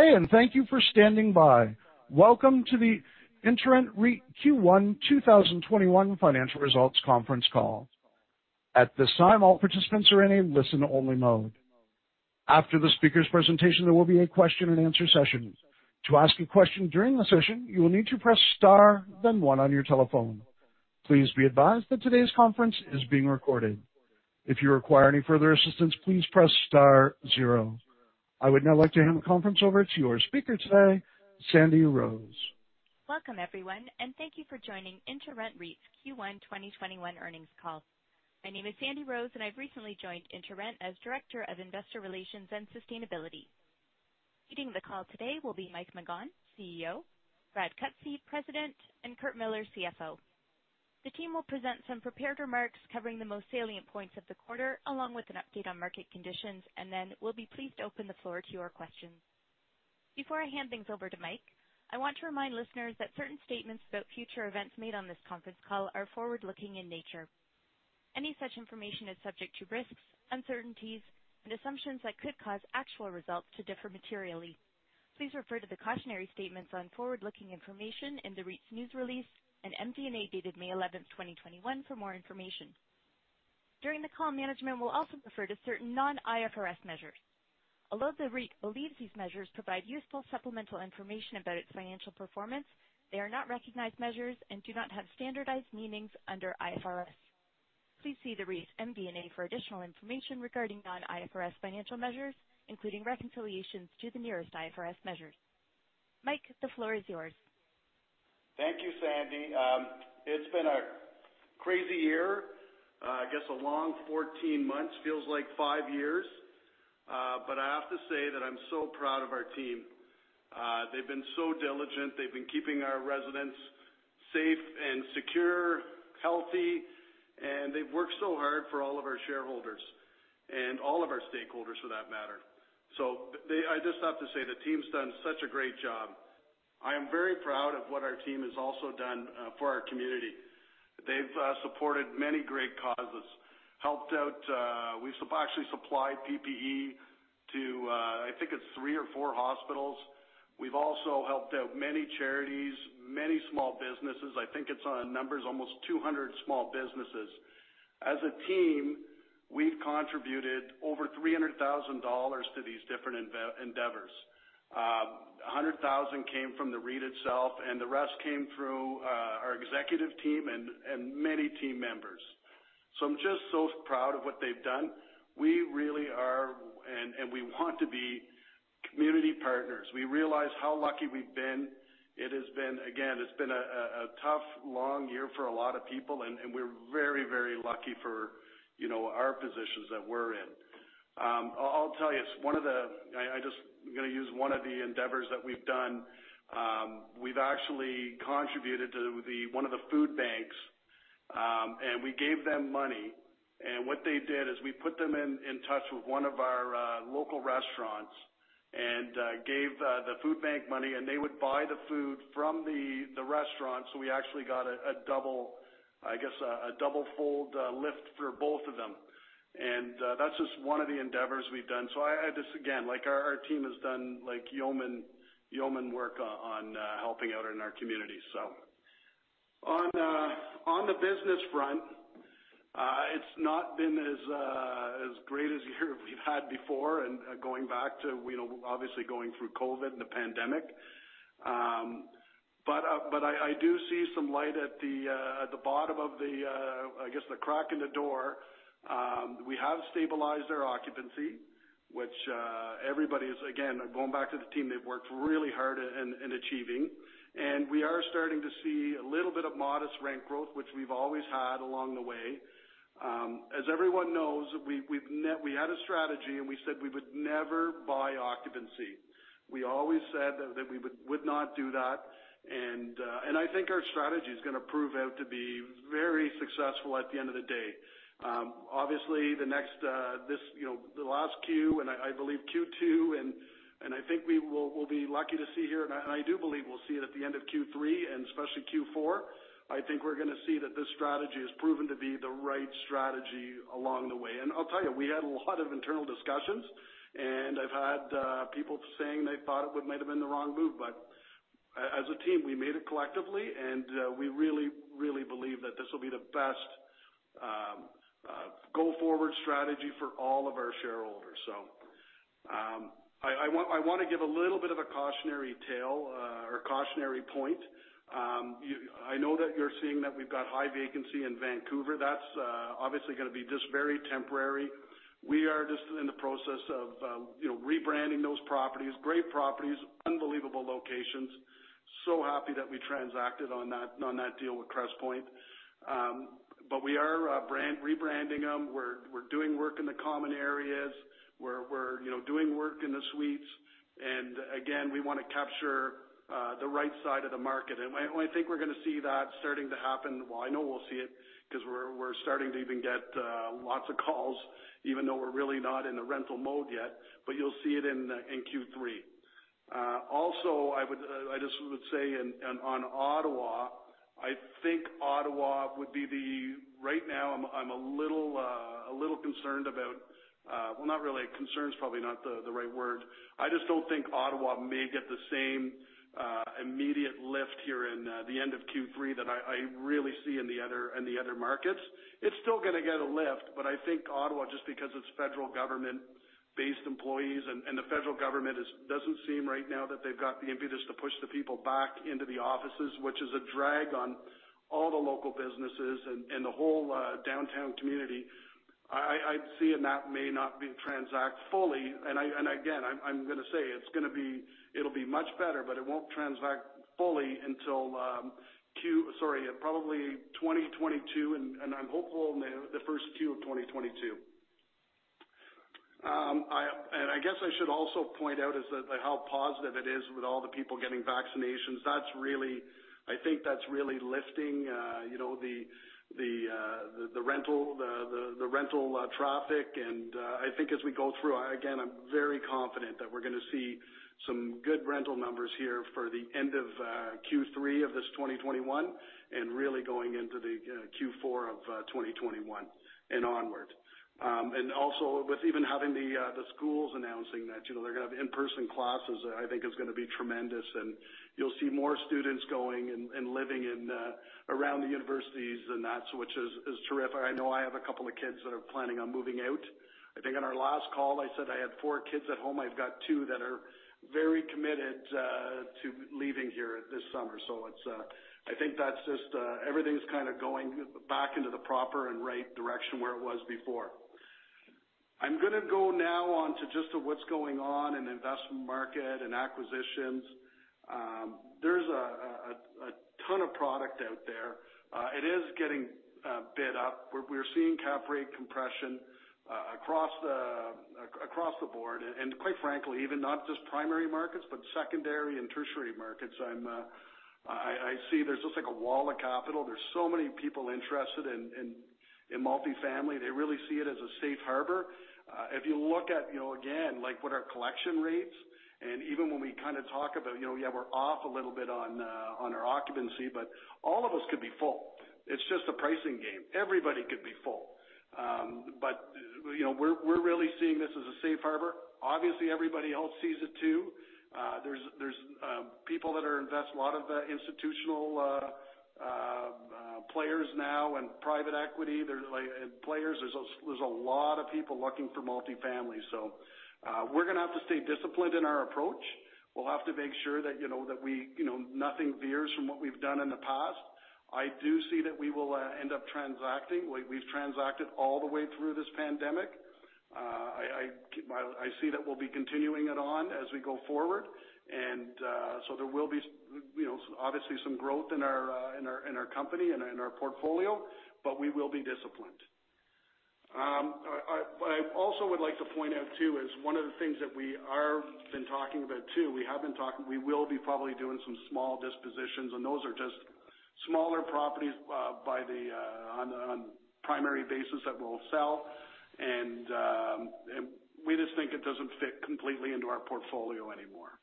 Hey, and thank you for standing by. Welcome to the InterRent REIT Q1 2021 financial results conference call. At this time, all participants are in a listen-only mode. After the speakers' presentation, there will be a question and answer session. To ask a question during the session, you will need to press star then one on your telephone. Please be advised that today's conference is being recorded. If you require any further assistance, please press star-zero. I would now like to hand the conference over to our speaker today, Sandy Rose. Welcome, everyone, thank you for joining InterRent REIT's Q1 2021 earnings call. My name is Sandy Rose, and I've recently joined InterRent as Director of Investor Relations and Sustainability. Leading the call today will be Mike McGahan, CEO; Brad Cutsey, President; and Curt Millar, CFO. The team will present some prepared remarks covering the most salient points of the quarter, along with an update on market conditions, then we'll be pleased to open the floor to your questions. Before I hand things over to Mike, I want to remind listeners that certain statements about future events made on this conference call are forward-looking in nature. Any such information is subject to risks, uncertainties, and assumptions that could cause actual results to differ materially. Please refer to the cautionary statements on forward-looking information in the REIT's news release and MD&A dated May 11th, 2021, for more information. During the call, management will also refer to certain non-IFRS measures. Although the REIT believes these measures provide useful supplemental information about its financial performance, they are not recognized measures and do not have standardized meanings under IFRS. Please see the REIT's MD&A for additional information regarding non-IFRS financial measures, including reconciliations to the nearest IFRS measures. Mike, the floor is yours. Thank you, Sandy. It's been a crazy year. I guess a long 14 months, feels like five years. I have to say that I'm so proud of our team. They've been so diligent. They've been keeping our residents safe and secure, healthy, and they've worked so hard for all of our shareholders and all of our stakeholders, for that matter. I just have to say, the team's done such a great job. I am very proud of what our team has also done for our community. They've supported many great causes. We've actually supplied PPE to, I think it's three or four hospitals. We've also helped out many charities, many small businesses. I think it's, on numbers, almost 200 small businesses. As a team, we've contributed over 300,000 dollars to these different endeavors. 100,000 came from the REIT itself, and the rest came through our executive team and many team members. I'm just so proud of what they've done. We really are, and we want to be, community partners. We realize how lucky we've been. Again, it's been a tough, long year for a lot of people, and we're very lucky for our positions that we're in. I'm going to use one of the endeavors that we've done. We've actually contributed to one of the food banks, and we gave them money. What they did is we put them in touch with one of our local restaurants and gave the food bank money, and they would buy the food from the restaurant. We actually got, I guess, a double-fold lift for both of them. That's just one of the endeavors we've done. Just again, our team has done yeoman work on helping out in our community. On the business front, it's not been as great as year we've had before, and going back to obviously going through COVID and the pandemic. I do see some light at the bottom of the, I guess, the crack in the door. We have stabilized our occupancy, which everybody is, again, going back to the team, they've worked really hard in achieving. We are starting to see a little bit of modest rent growth, which we've always had along the way. As everyone knows, we had a strategy, and we said we would never buy occupancy. We always said that we would not do that, and I think our strategy is going to prove out to be very successful at the end of the day. Obviously, the last Q, and I believe Q2, I think we'll be lucky to see here, and I do believe we'll see it at the end of Q3 and especially Q4. I think we're going to see that this strategy has proven to be the right strategy along the way. I'll tell you, we had a lot of internal discussions, and I've had people saying they thought it might have been the wrong move, but as a team, we made it collectively, and we really believe that this will be the best go-forward strategy for all of our shareholders. I want to give a little bit of a cautionary tale or cautionary point. I know that you're seeing that we've got high vacancy in Vancouver. That's obviously going to be just very temporary. We are just in the process of rebranding those properties. Great properties, unbelievable locations. Happy that we transacted on that deal with Crestpoint. We are rebranding them. We're doing work in the common areas. We're doing work in the suites. Again, we want to capture the right side of the market. I think we're going to see that starting to happen. I know we'll see it because we're starting to even get lots of calls, even though we're really not in the rental mode yet, but you'll see it in Q3. I just would say on Ottawa. Right now, I'm a little concerned about. Not really. Concern is probably not the right word. I just don't think Ottawa may get the same immediate lift here in the end of Q3 that I really see in the other markets. It's still going to get a lift. I think Ottawa, just because it's federal government-based employees, and the federal government, doesn't seem right now that they've got the impetus to push the people back into the offices, which is a drag on all the local businesses and the whole downtown community. I'd see, that may not be transact fully. Again, I'm going to say, it'll be much better, but it won't transact fully until probably 2022, and I'm hopeful in the first Q of 2022. I guess I should also point out is that how positive it is with all the people getting vaccinations. I think that's really lifting the rental traffic. I think as we go through, again, I'm very confident that we're going to see some good rental numbers here for the end of Q3 of this 2021, and really going into the Q4 of 2021 and onward. Also with even having the schools announcing that they're going to have in-person classes, I think is going to be tremendous. You'll see more students going and living around the universities, and that switch is terrific. I know I have a couple of kids that are planning on moving out. I think on our last call, I said I had four kids at home. I've got two that are very committed to leaving here this summer. I think everything's kind of going back into the proper and right direction where it was before. I'm going to go now on to just what's going on in investment market and acquisitions. There's a ton of product out there. It is getting bid up. We're seeing cap rate compression across the board, and quite frankly, even not just primary markets, but secondary and tertiary markets. I see there's just like a wall of capital. There's so many people interested in multifamily. They really see it as a safe harbor. If you look at, again, like what our collection rates and even when we kind of talk about, yeah, we're off a little bit on our occupancy, but all of us could be full. It's just a pricing game. Everybody could be full. We're really seeing this as a safe harbor. Obviously, everybody else sees it too. There's people that invest a lot of the institutional players now in private equity. There's a lot of people looking for multifamily. We're going to have to stay disciplined in our approach. We'll have to make sure that nothing veers from what we've done in the past. I do see that we will end up transacting like we've transacted all the way through this pandemic. I see that we'll be continuing it on as we go forward. There will be obviously some growth in our company and in our portfolio, but we will be disciplined. I also would like to point out, too, is one of the things that we have been talking about, too. We will be probably doing some small dispositions, and those are just smaller properties on a primary basis that we'll sell. We just think it doesn't fit completely into our portfolio anymore.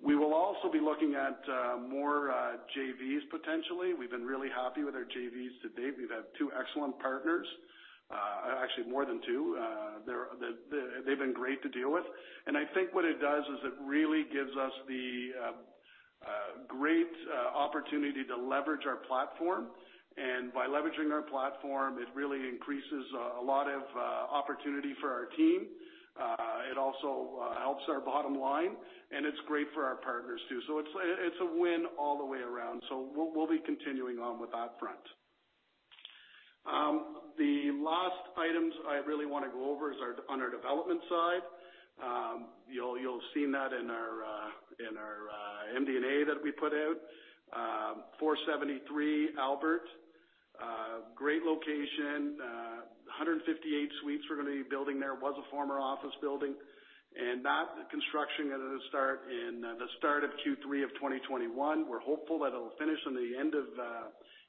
We will also be looking at more JVs, potentially. We've been really happy with our JVs to date. We've had two excellent partners. Actually, more than two. They've been great to deal with. I think what it does is it really gives us the great opportunity to leverage our platform. By leveraging our platform, it really increases a lot of opportunity for our team. It also helps our bottom line, and it's great for our partners, too. It's a win all the way around. We'll be continuing on with that front. The last items I really want to go over is on our development side. You'll have seen that in our MD&A that we put out. 473 Albert. Great location. 158 suites we're going to be building there. Was a former office building. That construction is going to start in the start of Q3 2021. We're hopeful that it'll finish in the end of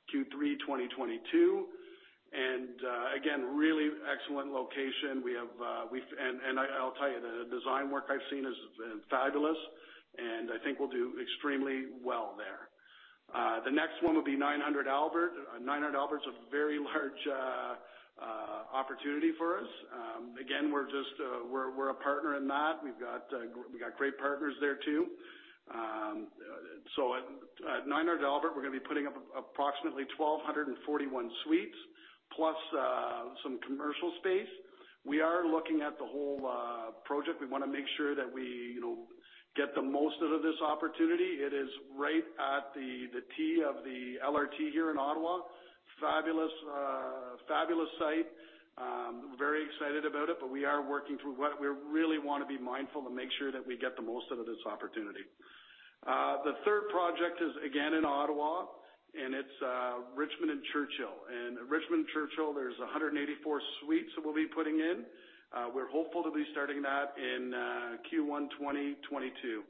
Q3 2022. Again, really excellent location. I'll tell you, the design work I've seen has been fabulous, and I think we'll do extremely well there. The next one will be 900 Albert. 900 Albert is a very large opportunity for us. Again, we're a partner in that. We've got great partners there, too. At 900 Albert, we're going to be putting up approximately 1,241 suites plus some commercial space. We are looking at the whole project. We want to make sure that we get the most out of this opportunity. It is right at the T of the LRT here in Ottawa. Fabulous site. Very excited about it, but we are working through We really want to be mindful to make sure that we get the most out of this opportunity. The third project is again in Ottawa, and it's Richmond and Churchill. In Richmond and Churchill, there's 184 suites that we'll be putting in. We're hopeful to be starting that in Q1 2022.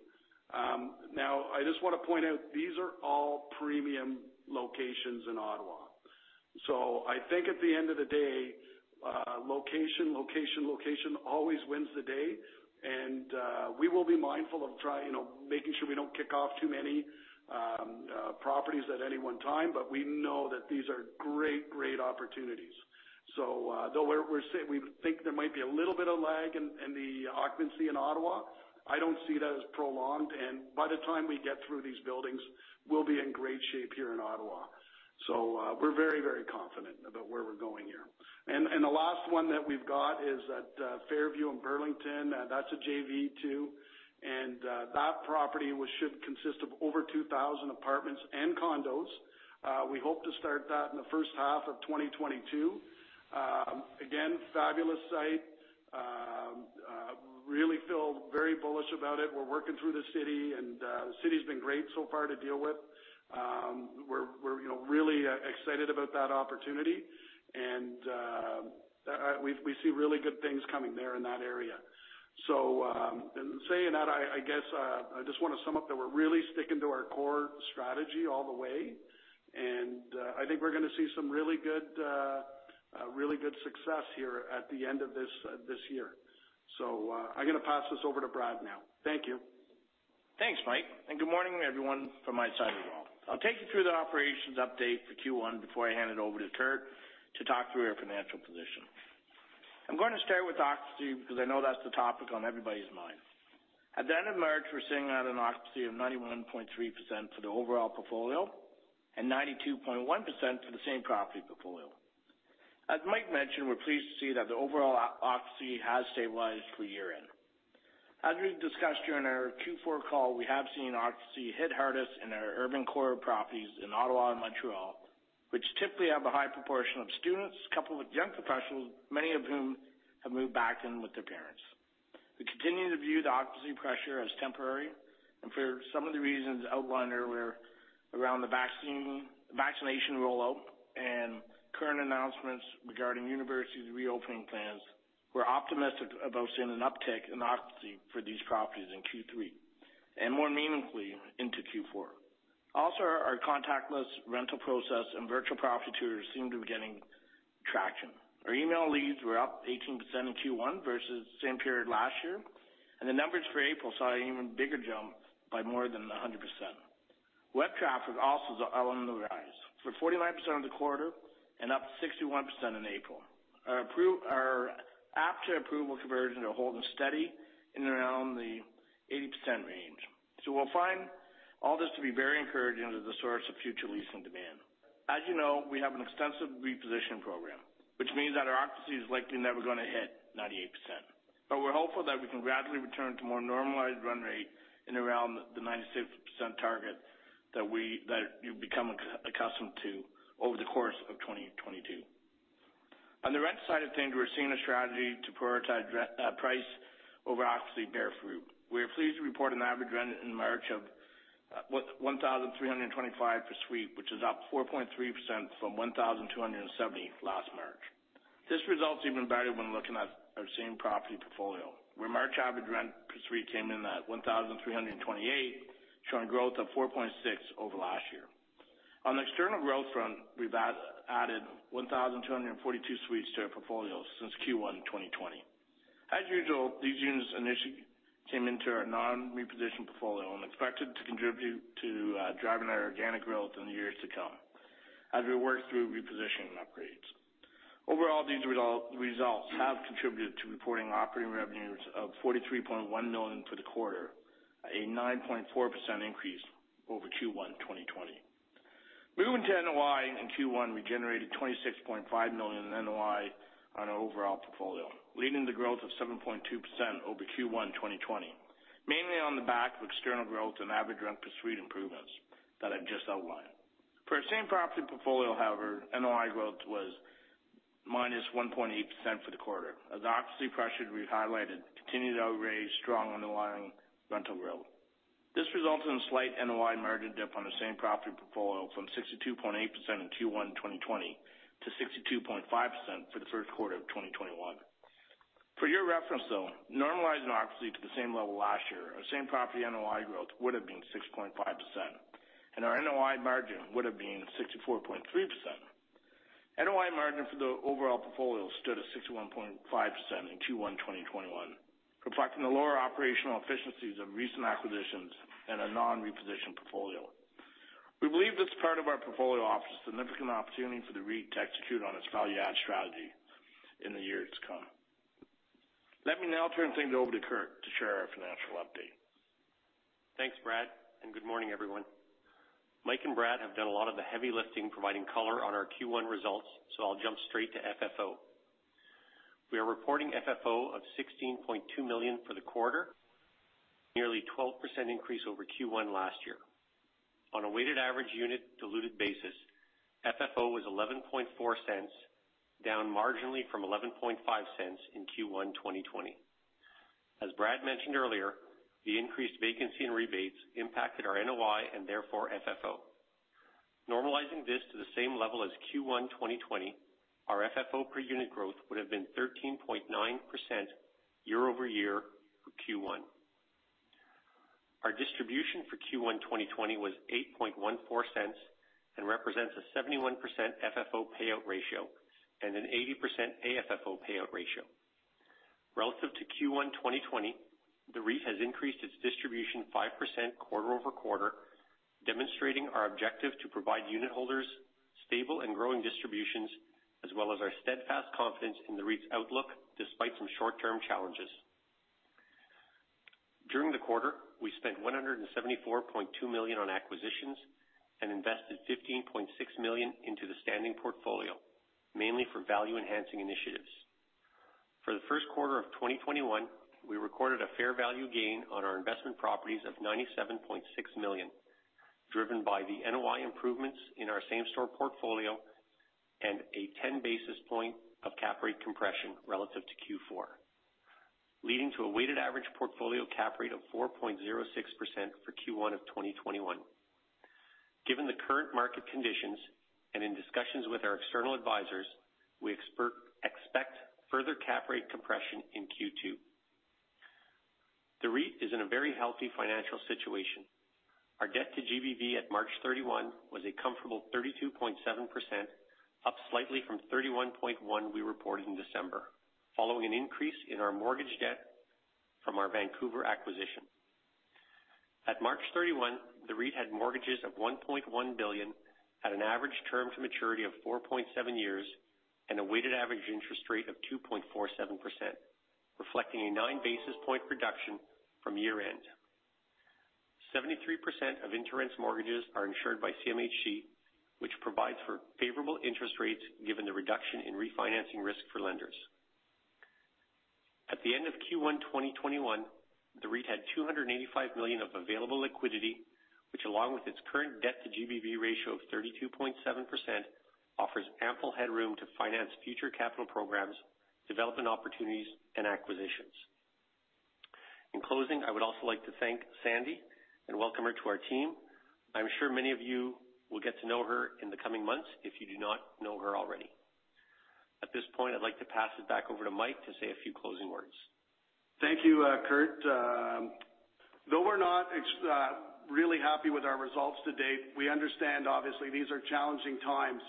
I just want to point out, these are all premium locations in Ottawa. I think at the end of the day, location, location always wins the day. We will be mindful of making sure we don't kick off too many properties at any one time. We know that these are great opportunities. Though we think there might be a little bit of lag in the occupancy in Ottawa, I don't see that as prolonged, and by the time we get through these buildings, we'll be in great shape here in Ottawa. We're very confident about where we're going here. The last one that we've got is at Fairview in Burlington. That's a JV too. That property should consist of over 2,000 apartments and condos. We hope to start that in the first half of 2022. Fabulous site. Feel very bullish about it. We're working through the city, and the city's been great so far to deal with. We're really excited about that opportunity, and we see really good things coming there in that area. In saying that, I guess, I just want to sum up that we're really sticking to our core strategy all the way, and I think we're going to see some really good success here at the end of this year. I'm going to pass this over to Brad now. Thank you. Thanks, Mike. Good morning, everyone, from my side of the wall. I'll take you through the operations update for Q1 before I hand it over to Curt to talk through our financial position. I'm going to start with occupancy because I know that's the topic on everybody's mind. At the end of March, we're sitting at an occupancy of 91.3% for the overall portfolio and 92.1% for the same property portfolio. As Mike mentioned, we're pleased to see that the overall occupancy has stabilized for year-end. As we discussed during our Q4 call, we have seen occupancy hit hardest in our urban core properties in Ottawa and Montreal, which typically have a high proportion of students, coupled with young professionals, many of whom have moved back in with their parents. We continue to view the occupancy pressure as temporary, and for some of the reasons outlined earlier around the vaccination rollout and current announcements regarding universities' reopening plans. We're optimistic about seeing an uptick in occupancy for these properties in Q3, and more meaningfully into Q4. Also, our contactless rental process and virtual property tours seem to be getting traction. Our email leads were up 18% in Q1 versus the same period last year, and the numbers for April saw an even bigger jump by more than 100%. Web traffic also is on the rise for 49% of the quarter and up 61% in April. Our app-to-approval conversion are holding steady in and around the 80% range. We'll find all this to be very encouraging as a source of future leasing demand. As you know, we have an extensive reposition program, which means that our occupancy is likely never going to hit 98%. We're hopeful that we can gradually return to more normalized run rate in and around the 96% target that you've become accustomed to over the course of 2022. On the rent side of things, we're seeing a strategy to prioritize price over occupancy bear fruit. We are pleased to report an average rent in March of 1,325 per suite, which is up 4.3% from 1,270 last March. This result's even better when looking at our same property portfolio, where March average rent per suite came in at 1,328, showing growth of 4.6% over last year. On the external growth front, we've added 1,242 suites to our portfolio since Q1 2020. As usual, these units initially came into our non-reposition portfolio and expected to contribute to driving our organic growth in the years to come as we work through repositioning upgrades. Overall, these results have contributed to reporting operating revenues of 43.1 million for the quarter, a 9.4% increase over Q1 2020. Moving to NOI in Q1, we generated 26.5 million in NOI on our overall portfolio, leading to growth of 7.2% over Q1 2020, mainly on the back of external growth and average rent per suite improvements that I've just outlined. For our same property portfolio, however, NOI growth was -1.8% for the quarter. As the occupancy pressures we've highlighted continue to outweigh strong underlying rental growth. This resulted in a slight NOI margin dip on the same property portfolio from 62.8% in Q1 2020 to 62.5% for the first quarter of 2021. For your reference, though, normalizing occupancy to the same level last year, our same property NOI growth would have been 6.5%, and our NOI margin would have been 64.3%. NOI margin for the overall portfolio stood at 61.5% in Q1 2021, reflecting the lower operational efficiencies of recent acquisitions and a non-reposition portfolio. We believe this part of our portfolio offers a significant opportunity for the REIT to execute on its value add strategy in the years to come. Let me now turn things over to Curt to share our financial update. Thanks, Brad. Good morning, everyone. Mike and Brad have done a lot of the heavy lifting, providing color on our Q1 results, so I'll jump straight to FFO. We are reporting FFO of 16.2 million for the quarter, nearly 12% increase over Q1 last year. On a weighted average unit diluted basis, FFO was 0.114, down marginally from 0.115 in Q1 2020. As Brad mentioned earlier, the increased vacancy in rebates impacted our NOI and therefore FFO. Normalizing this to the same level as Q1 2020, our FFO per unit growth would have been 13.9% year-over-year for Q1. Our distribution for Q1 2020 was 0.0814 and represents a 71% FFO payout ratio and an 80% AFFO payout ratio. Relative to Q1 2020, the REIT has increased its distribution 5% quarter-over-quarter, demonstrating our objective to provide unit holders stable and growing distributions, as well as our steadfast confidence in the REIT's outlook, despite some short-term challenges. During the quarter, we spent 174.2 million on acquisitions and invested 15.6 million into the standing portfolio, mainly for value-enhancing initiatives. For the first quarter of 2021, we recorded a fair value gain on our investment properties of 97.6 million, driven by the NOI improvements in our same-store portfolio and a 10-basis point of cap rate compression relative to Q4, leading to a weighted average portfolio cap rate of 4.06% for Q1 of 2021. Given the current market conditions and in discussions with our external advisors, we expect further cap rate compression in Q2. The REIT is in a very healthy financial situation. Our debt to GBV at March 31 was a comfortable 32.7%, up slightly from 31.1% we reported in December, following an increase in our mortgage debt from our Vancouver acquisition. At March 31, the REIT had mortgages of CAD 1.1 billion at an average term to maturity of 4.7 years and a weighted average interest rate of 2.47%, reflecting a 9 basis point reduction from year-end. 73% of InterRent's mortgages are insured by CMHC, which provides for favorable interest rates given the reduction in refinancing risk for lenders. At the end of Q1 2021, the REIT had 285 million of available liquidity, which, along with its current debt to GBV ratio of 32.7%, offers ample headroom to finance future capital programs, development opportunities, and acquisitions. In closing, I would also like to thank Sandy and welcome her to our team. I'm sure many of you will get to know her in the coming months if you do not know her already. At this point, I'd like to pass it back over to Mike to say a few closing words. Thank you, Curt. We're not really happy with our results to date, we understand, obviously, these are challenging times.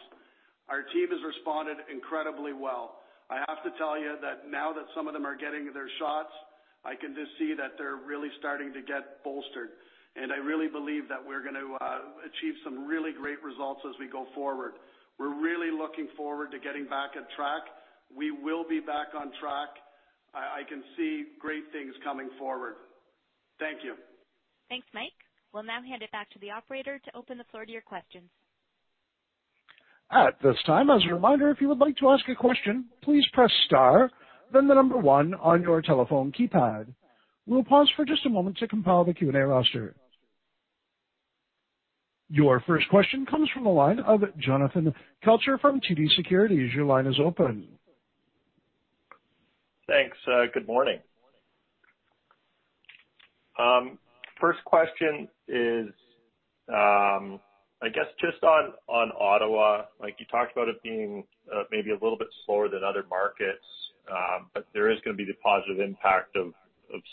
Our team has responded incredibly well. I have to tell you that now that some of them are getting their shots, I can just see that they're really starting to get bolstered. I really believe that we're going to achieve some really great results as we go forward. We're really looking forward to getting back on track. We will be back on track. I can see great things coming forward. Thank you. Thanks, Mike. We'll now hand it back to the operator to open the floor to your questions. Your first question comes from the line of Jonathan Kelcher from TD Securities. Your line is open. Thanks. Good morning. First question is, I guess just on Ottawa. You talked about it being maybe a little bit slower than other markets, but there is going to be the positive impact of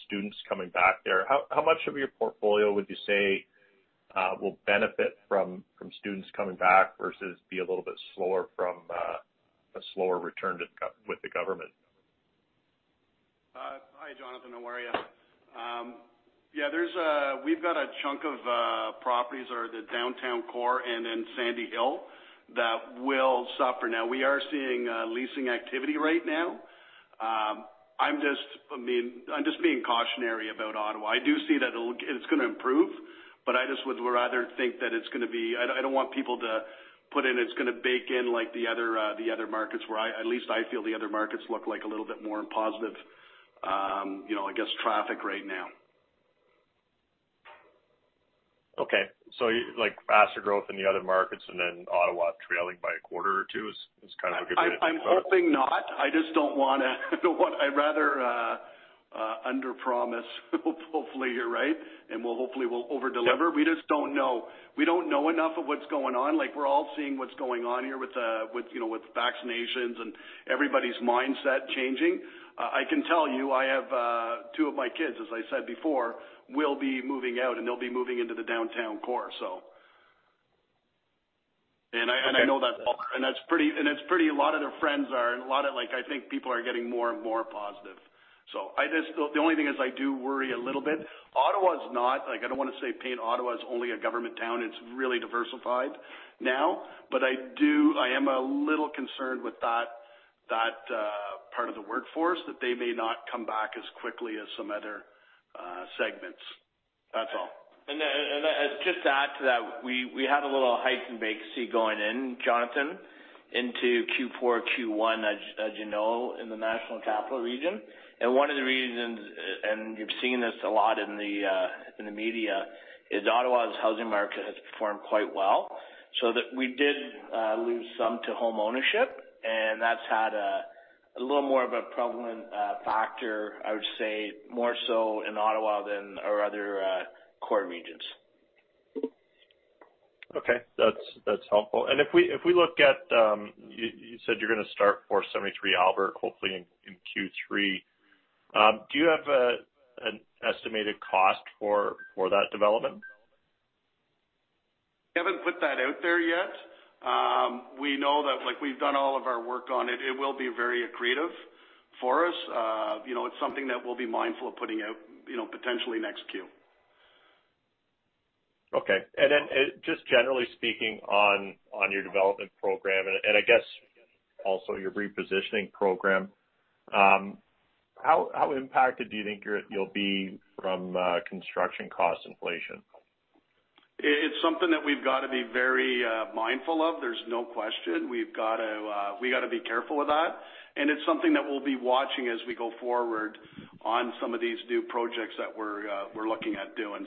students coming back there. How much of your portfolio would you say will benefit from students coming back versus be a little bit slower from a slower return with the government? Hi, Jonathan. How are you? We've got a chunk of properties that are the downtown core and then Sandy Hill that will suffer. We are seeing leasing activity right now. I'm just being cautionary about Ottawa. I do see that it's going to improve, but I just would rather think that it's going to be I don't want people to put in it's going to bake in like the other markets where at least I feel the other markets look a little bit more positive, I guess, traffic right now. Faster growth in the other markets, and then Ottawa trailing by a quarter or two is kind of a good way to think about it? I'm hoping not. I'd rather underpromise, hopefully you're right, and hopefully we'll overdeliver. We just don't know. We don't know enough of what's going on. We're all seeing what's going on here with vaccinations and everybody's mindset changing. I can tell you, I have two of my kids, as I said before, will be moving out, and they'll be moving into the downtown core. Okay A lot of their friends are, and I think people are getting more and more positive. The only thing is I do worry a little bit. Ottawa is not, I don't want to say paint Ottawa as only a government town. It's really diversified now. I am a little concerned with that part of the workforce, that they may not come back as quickly as some other segments. That's all. Just to add to that, we had a little hike in vacancy going in, Jonathan, into Q4, Q1, as you know, in the National Capital Region. One of the reasons, and you've seen this a lot in the media, is Ottawa's housing market has performed quite well, so that we did lose some to homeownership, and that's had a little more of a prevalent factor, I would say, more so in Ottawa than our other core regions. Okay. That's helpful. If we look at, you said you're going to start 473 Albert hopefully in Q3. Do you have an estimated cost for that development? We haven't put that out there yet. We know that we've done all of our work on it. It will be very accretive for us. It's something that we'll be mindful of putting out potentially next Q. Okay. Then just generally speaking on your development program and I guess also your repositioning program, how impacted do you think you'll be from construction cost inflation? It's something that we've got to be very mindful of. There's no question. We've got to be careful with that, and it's something that we'll be watching as we go forward on some of these new projects that we're looking at doing.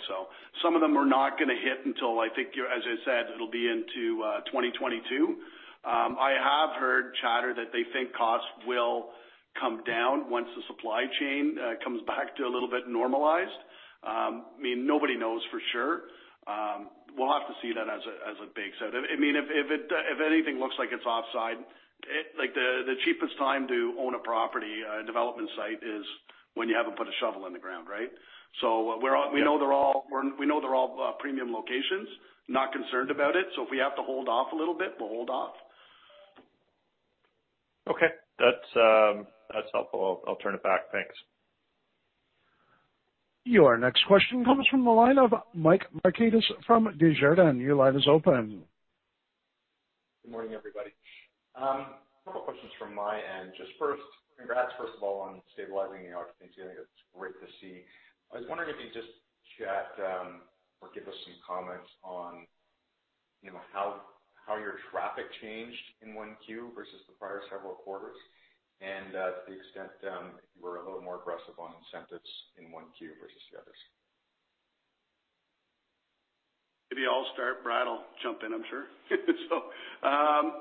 Some of them are not going to hit until I think, as I said, it'll be into 2022. I have heard chatter that they think costs will come down once the supply chain comes back to a little bit normalized. I mean, nobody knows for sure. We'll have to see that as it bakes out. I mean, if anything looks like it's offside, the cheapest time to own a property, a development site is when you haven't put a shovel in the ground, right? We know they're all premium locations. Not concerned about it. If we have to hold off a little bit, we'll hold off. Okay. That's helpful. I'll turn it back. Thanks. Your next question comes from the line of Mike Markidis from Desjardins. Your line is open. Good morning, everybody. A couple of questions from my end. Just first, congrats first of all on stabilizing your occupancy. I think it's great to see. I was wondering if you could just chat or give us some comments on how your traffic changed in one Q versus the prior several quarters, and to the extent you were a little more aggressive on incentives in one Q versus the others. Maybe I'll start. Brad will jump in, I'm sure.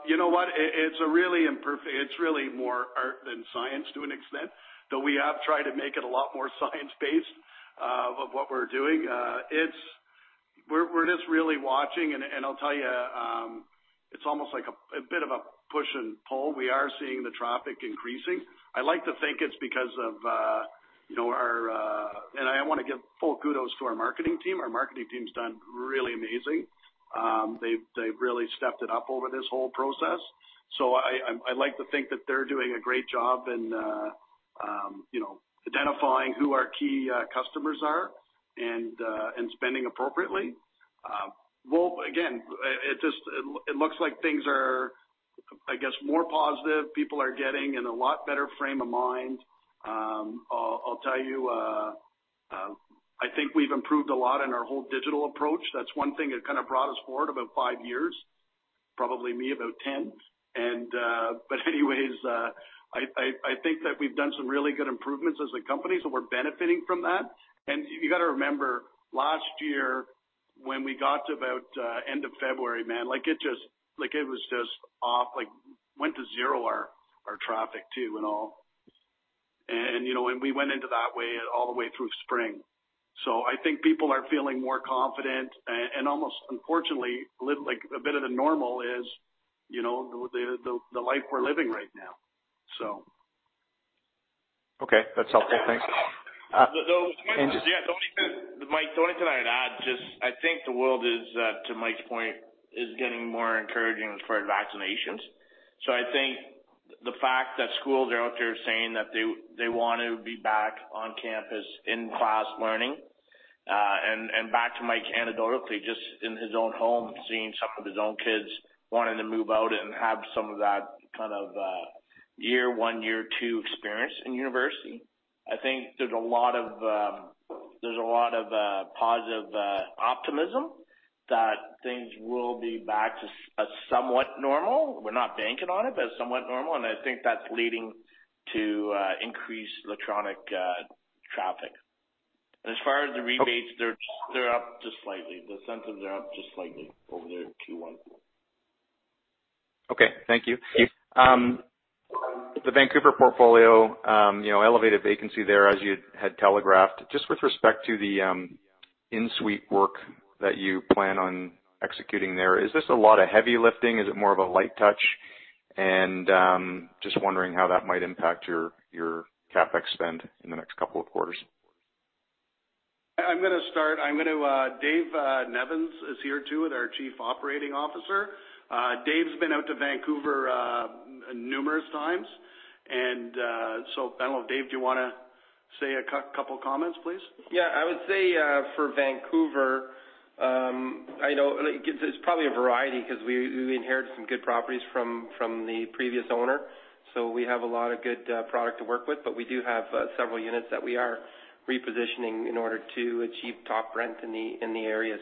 You know what? It's really more art than science to an extent, though we have tried to make it a lot more science-based of what we're doing. We're just really watching, and I'll tell you it's almost like a bit of a push and pull. We are seeing the traffic increasing. I like to think it's because of our-- and I want to give full kudos to our marketing team. Our marketing team's done really amazing. They've really stepped it up over this whole process. I like to think that they're doing a great job in identifying who our key customers are and spending appropriately. Well, again, it looks like things are, I guess, more positive. People are getting in a lot better frame of mind. I'll tell you I think we've improved a lot in our whole digital approach. That's one thing that kind of brought us forward about five years. Probably me, about 10. Anyways, I think that we've done some really good improvements as a company, so we're benefiting from that. You got to remember, last year when we got to about end of February, man, it was just off. Went to zero, our traffic too, and all. We went into that way all the way through spring. I think people are feeling more confident and almost unfortunately, a bit of the normal is the life we're living right now, so. Okay. That's helpful. Thanks. Mike. And just- Yeah, the only thing that I'd add, just I think the world is, to Mike's point, is getting more encouraging for vaccinations. I think the fact that schools are out there saying that they want to be back on campus in class learning. Back to Mike anecdotally, just in his own home, seeing some of his own kids wanting to move out and have some of that kind of year one, year two experience in university. I think there's a lot of positive optimism that things will be back to somewhat normal. We're not banking on it, but somewhat normal, and I think that's leading to increased electronic traffic. As far as the rebates, they're up just slightly. The incentives are up just slightly over the Q1. Okay. Thank you. The Vancouver portfolio, elevated vacancy there as you had telegraphed. With respect to the in-suite work that you plan on executing there, is this a lot of heavy lifting? Is it more of a light touch? Wondering how that might impact your CapEx spend in the next couple of quarters. I'm going to start. Dave Nevins is here too, our Chief Operating Officer. Dave's been out to Vancouver numerous times. I don't know if, Dave, do you want to say a couple of comments, please? Yeah. I would say for Vancouver, I know it's probably a variety because we inherited some good properties from the previous owner. We have a lot of good product to work with, but we do have several units that we are repositioning in order to achieve top rent in the area.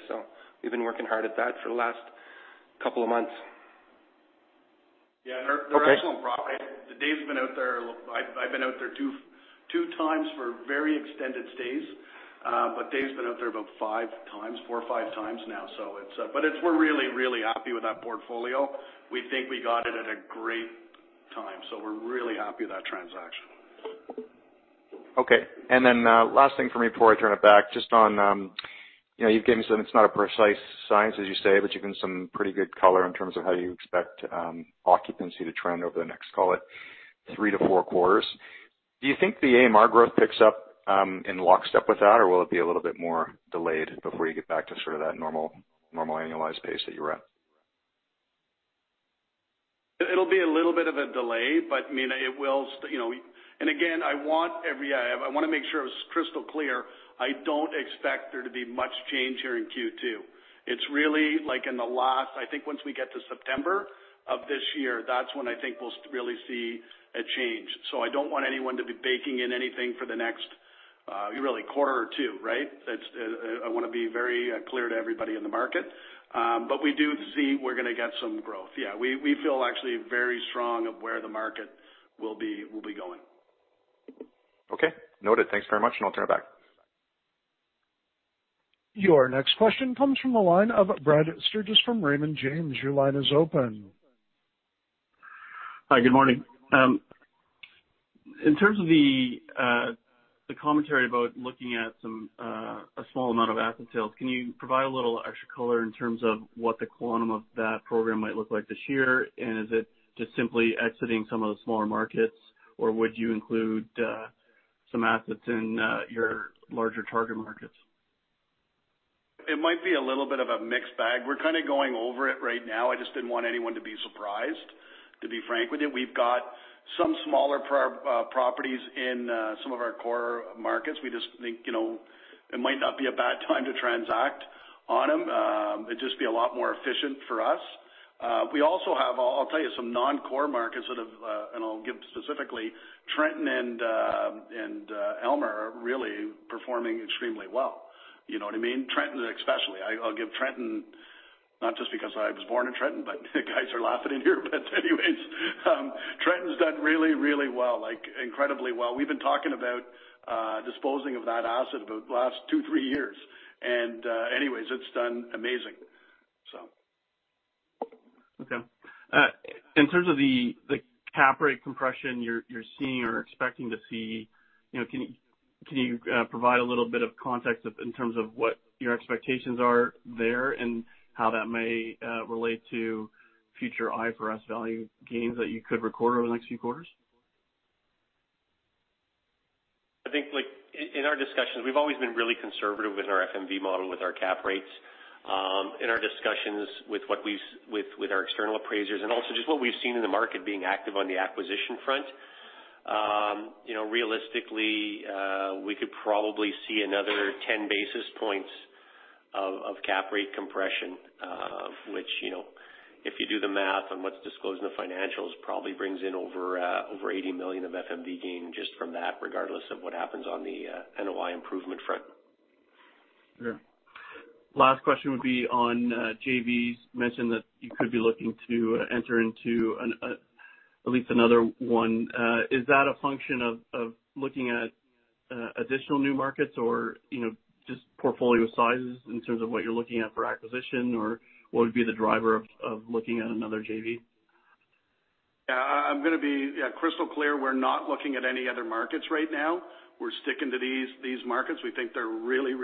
We've been working hard at that for the last couple of months. Yeah. They're excellent properties. Dave's been out there. I've been out there two times for very extended stays. Dave's been out there about five times, four or five times now. We're really happy with that portfolio. We think we got it at a great time, so we're really happy with that transaction. Okay. Last thing for me before I turn it back, you've given some, it's not a precise science, as you say, but you've given some pretty good color in terms of how you expect occupancy to trend over the next, call it, three to four quarters. Do you think the AMR growth picks up in lockstep with that or will it be a little bit more delayed before you get back to sort of that normal annualized pace that you were at? It'll be a little bit of a delay. Again, I want to make sure it's crystal clear, I don't expect there to be much change here in Q2. It's really like in the last, I think once we get to September of this year, that's when I think we'll really see a change. I don't want anyone to be baking in anything for the next really quarter or two, right. I want to be very clear to everybody in the market. We do see we're going to get some growth. Yeah, we feel actually very strong of where the market will be going. Okay, noted. Thanks very much, and I'll turn it back. Your next question comes from the line of Brad Sturges from Raymond James. Your line is open. Hi, good morning. In terms of the commentary about looking at a small amount of asset sales, can you provide a little extra color in terms of what the quantum of that program might look like this year? Is it just simply exiting some of the smaller markets, or would you include some assets in your larger target markets? It might be a little bit of a mixed bag. We're kind of going over it right now. I just didn't want anyone to be surprised, to be frank with you. We've got some smaller properties in some of our core markets. We just think it might not be a bad time to transact on them. It'd just be a lot more efficient for us. We also have, I'll tell you, some non-core markets that have, and I'll give specifically Trenton and Elmer are really performing extremely well. You know what I mean? Trenton especially. I'll give Trenton, not just because I was born in Trenton, but the guys are laughing in here. Anyways, Trenton's done really well, like incredibly well. We've been talking about disposing of that asset for the last two, three years, and anyways, it's done amazing. Okay. In terms of the cap rate compression you're seeing or expecting to see, can you provide a little bit of context in terms of what your expectations are there and how that may relate to future IFRS value gains that you could record over the next few quarters? I think in our discussions, we've always been really conservative with our FMV model, with our cap rates. In our discussions with our external appraisers and also just what we've seen in the market being active on the acquisition front. Realistically, we could probably see another 10 basis points of cap rate compression. Which, if you do the math on what's disclosed in the financials, probably brings in over 80 million of FMV gain just from that, regardless of what happens on the NOI improvement front. Sure. Last question would be on JVs. You mentioned that you could be looking to enter into at least another one. Is that a function of looking at additional new markets or just portfolio sizes in terms of what you're looking at for acquisition? What would be the driver of looking at another JV? I'm going to be crystal clear. We're not looking at any other markets right now. We're sticking to these markets. We think they're really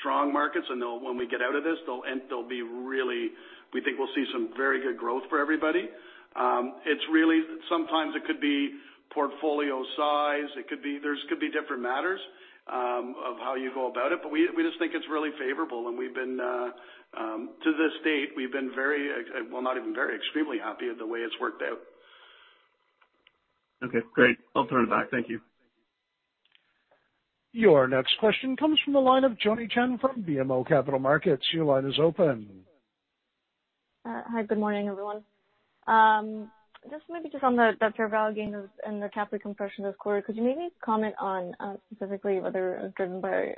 strong markets. When we get out of this, we think we'll see some very good growth for everybody. Sometimes it could be portfolio size, there could be different matters of how you go about it, but we just think it's really favorable, and to this date, we've been very, well, not even very, extremely happy with the way it's worked out. Okay, great. I'll turn it back. Thank you. Your next question comes from the line of Joanne Chen from BMO Capital Markets. Your line is open. Hi, good morning, everyone. Just on the fair value gains and the capital compression this quarter, could you maybe comment on specifically whether driven by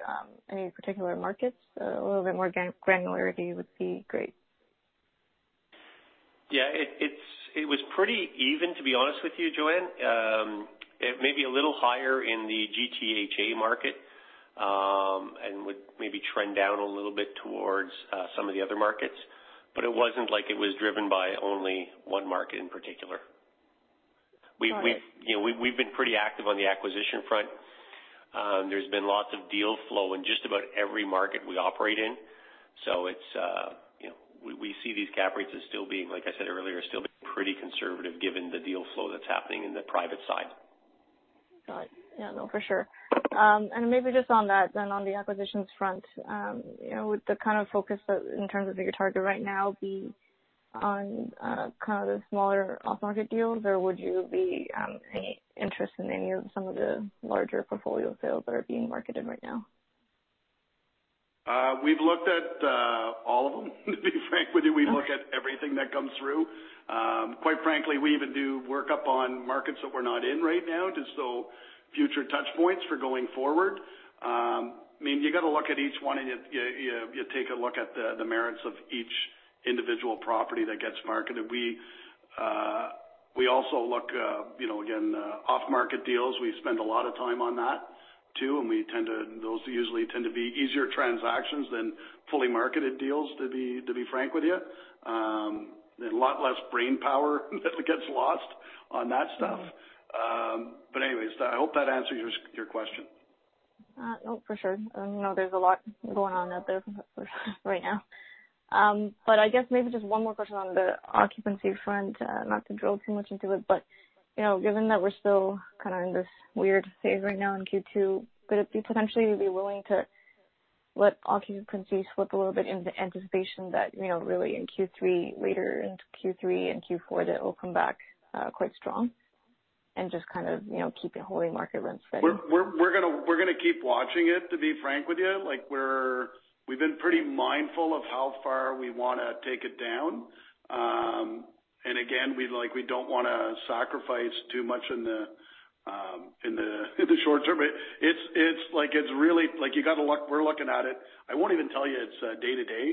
any particular markets? A little bit more granularity would be great. Yeah, it was pretty even, to be honest with you, Joanne. It may be a little higher in the GTHA market, and would maybe trend down a little bit towards some of the other markets, but it wasn't like it was driven by only one market in particular. Got it. We've been pretty active on the acquisition front. There's been lots of deal flow in just about every market we operate in. We see these cap rates as still being, like I said earlier, still being pretty conservative given the deal flow that's happening in the private side. Got it. Yeah, no, for sure. Maybe just on that then on the acquisitions front, would the kind of focus in terms of your target right now be on kind of the smaller off-market deals? Would you be any interest in any of some of the larger portfolio sales that are being marketed right now? We've looked at all of them, to be frank with you, we look at everything that comes through. Quite frankly, we even do work-up on markets that we're not in right now, just so future touch points for going forward. You got to look at each one, and you take a look at the merits of each individual property that gets marketed. We also look, again, off-market deals. We spend a lot of time on that too. Those usually tend to be easier transactions than fully marketed deals, to be frank with you. A lot less brainpower that gets lost on that stuff. Anyways, I hope that answers your question. For sure. I know there's a lot going on out there right now. I guess maybe just one more question on the occupancy front. Not to drill too much into it, but given that we're still kind of in this weird phase right now in Q2, could you potentially be willing to let occupancy slip a little bit in the anticipation that really in Q3, later into Q3 and Q4, that it will come back quite strong and just kind of keep holding market rents steady? We're going to keep watching it, to be frank with you. We've been pretty mindful of how far we want to take it down. Again, we don't want to sacrifice too much in the short term. We're looking at it, I won't even tell you it's day to day,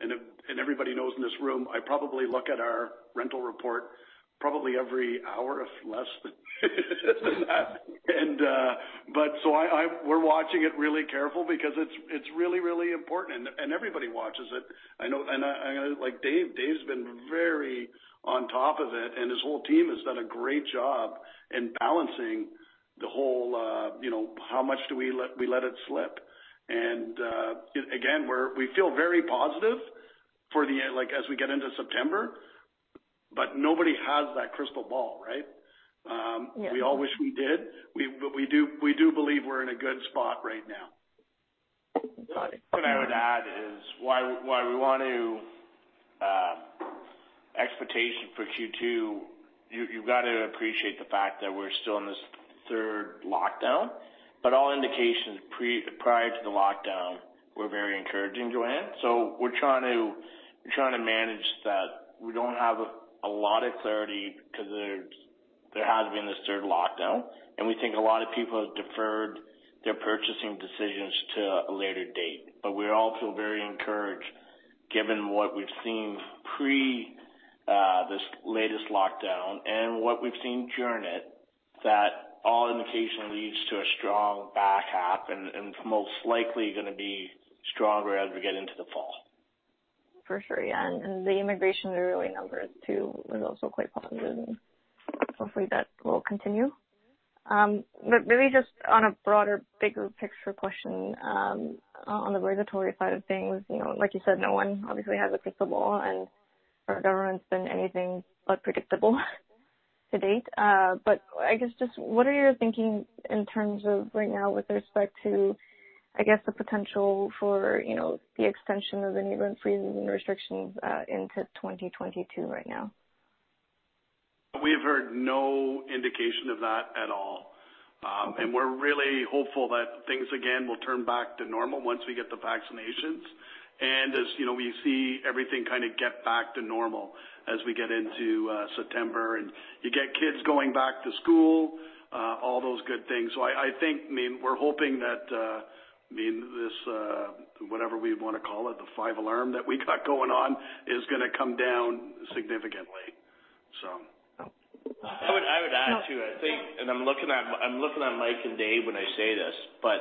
and everybody knows in this room, I probably look at our rental report probably every hour if less than that. We're watching it really careful because it's really, really important, and everybody watches it. Dave's been very on top of it, and his whole team has done a great job in balancing the whole how much do we let it slip. Again, we feel very positive as we get into September, but nobody has that crystal ball, right? Yeah. We all wish we did. We do believe we're in a good spot right now. Got it. What I would add is why we want to expectation for Q2, you've got to appreciate the fact that we're still in this third lockdown. All indications prior to the lockdown were very encouraging, Joanne. We're trying to manage that. We don't have a lot of clarity because there has been this third lockdown, and we think a lot of people have deferred their purchasing decisions to a later date. We all feel very encouraged given what we've seen pre this latest lockdown and what we've seen during it, that all indication leads to a strong back half and most likely going to be stronger as we get into the fall. For sure, yeah. The immigration early numbers too, was also quite positive and hopefully that will continue. Maybe just on a broader, bigger picture question on the regulatory side of things. Like you said, no one obviously has a crystal ball and our government's been anything but predictable to date. I guess just what are you thinking in terms of right now with respect to, I guess, the potential for the extension of the new rent freezes and restrictions into 2022 right now? We've heard no indication of that at all. We're really hopeful that things again, will turn back to normal once we get the vaccinations. As we see everything kind of get back to normal as we get into September and you get kids going back to school, all those good things. I think, we're hoping that this, whatever we want to call it, the five alarm that we got going on is going to come down significantly. I would add, too, I think, and I'm looking at Mike and Dave when I say this, but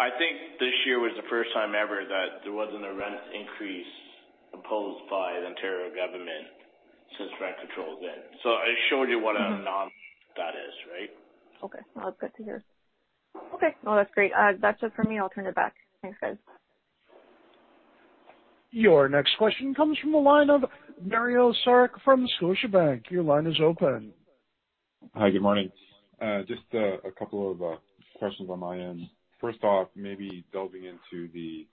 I think this year was the first time ever that there wasn't a rent increase imposed by the Ontario government since rent control then. It shows you what an anomaly that is, right? Okay. Well, that's good to hear. Okay. Well, that's great. That's it for me. I'll turn it back. Thanks, guys. Your next question comes from the line of Mario Saric from Scotiabank. Your line is open. Hi, good morning. Just a couple of questions on my end. First off, maybe delving into the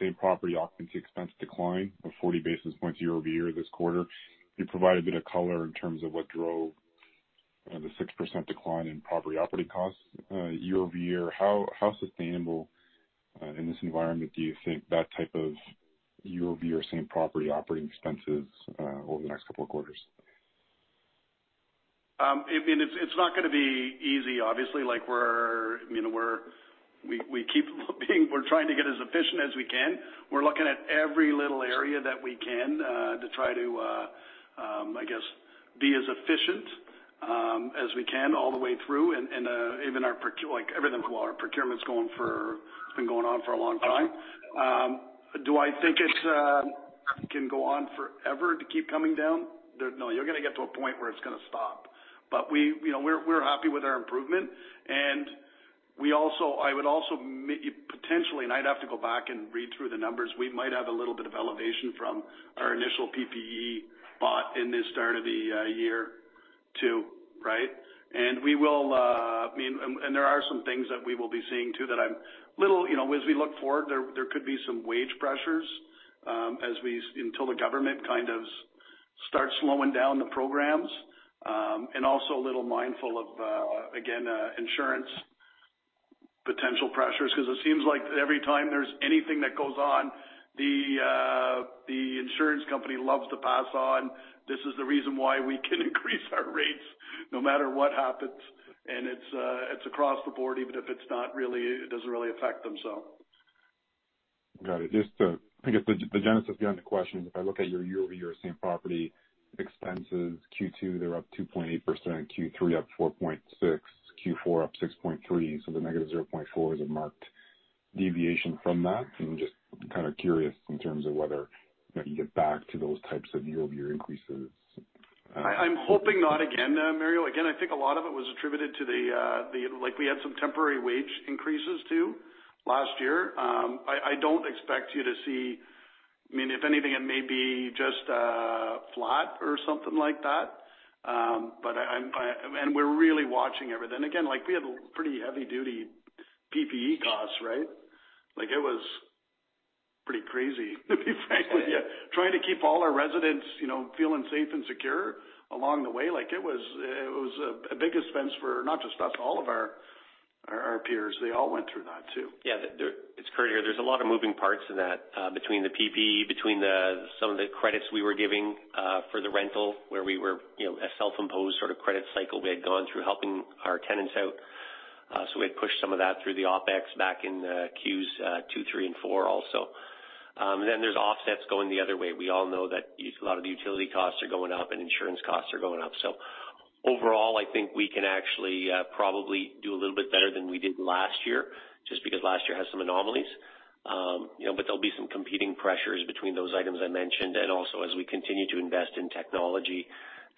same property occupancy expense decline of 40 basis points year-over-year this quarter. Can you provide a bit of color in terms of what drove the 6% decline in property operating costs year-over-year? How sustainable in this environment do you think that type of year-over-year same property operating expenses over the next couple of quarters? It's not going to be easy, obviously. We're trying to get as efficient as we can. We're looking at every little area that we can to try to, I guess, be as efficient as we can all the way through. Even our procurement's been going on for a long time. Do I think it can go on forever to keep coming down? No, you're going to get to a point where it's going to stop. We're happy with our improvement. I would also maybe, potentially, and I'd have to go back and read through the numbers. We might have a little bit of elevation from our initial PPE bought in the start of the year two, right? There are some things that we will be seeing, too, that as we look forward, there could be some wage pressures until the government kind of starts slowing down the programs. Also a little mindful of, again, insurance potential pressures, because it seems like every time there's anything that goes on, the insurance company loves to pass on. This is the reason why we can increase our rates no matter what happens. It's across the board, even if it doesn't really affect them so. Got it. I guess the genesis behind the question is if I look at your year-over-year same property expenses, Q2, they're up 2.8%, Q3 up 4.6%, Q4 up 6.3%. The negative 0.4% is a marked deviation from that. Just kind of curious in terms of whether you get back to those types of year-over-year increases. I'm hoping not again, Mario. I think a lot of it was attributed to we had some temporary wage increases too last year. I don't expect you to see. If anything, it may be just flat or something like that. We're really watching everything. We had pretty heavy duty PPE costs, right? It was pretty crazy, to be frank with you. Trying to keep all our residents feeling safe and secure along the way. It was a big expense for not just us, all of our peers. They all went through that too. Yeah. It's crazy. There's a lot of moving parts in that between the PPE, between some of the credits we were giving for the rental where we were a self-imposed sort of credit cycle we had gone through helping our tenants out. We had pushed some of that through the OpEx back in Qs 2, 3, and 4 also. There's offsets going the other way. We all know that a lot of the utility costs are going up and insurance costs are going up. Overall, I think we can actually probably do a little bit better than we did last year, just because last year had some anomalies. There'll be some competing pressures between those items I mentioned, and also as we continue to invest in technology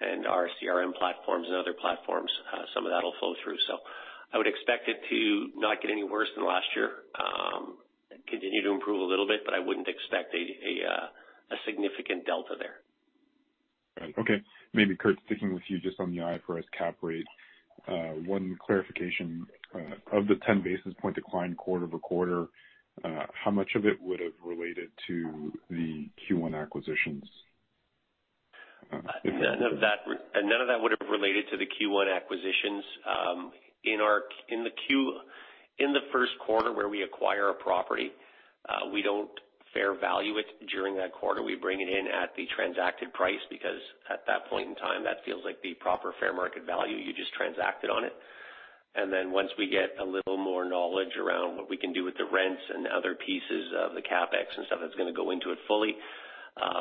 and our CRM platforms and other platforms, some of that'll flow through. I would expect it to not get any worse than last year. Continue to improve a little bit, but I wouldn't expect a significant delta there. Right. Okay. Maybe Curt, sticking with you just on the IFRS cap rate. One clarification. Of the 10 basis point decline quarter-over-quarter, how much of it would've related to the Q1 acquisitions? None of that would've related to the Q1 acquisitions. In the first quarter where we acquire a property, we don't fair value it during that quarter. We bring it in at the transacted price because at that point in time, that feels like the proper fair market value. You just transacted on it. Then once we get a little more knowledge around what we can do with the rents and other pieces of the CapEx and stuff that's going to go into it fully,